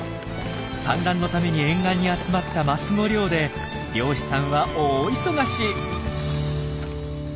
産卵のために沿岸に集まったマスの漁で漁師さんは大忙し。